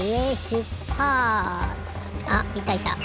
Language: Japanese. あいたいた。